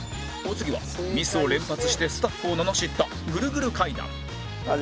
お次はミスを連発してスタッフをののしったグルグル階段